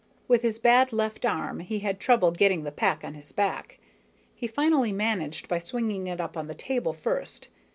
With his bad left arm, he had trouble getting the pack on his back. He finally managed by swinging it up on the table first.